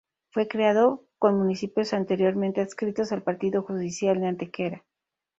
Fue creado con municipios anteriormente adscritos al partido judicial de Antequera.